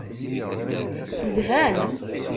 Zhan.